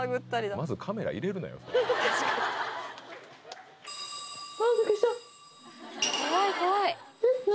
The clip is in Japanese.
まずカメラ入れるなよえっ何？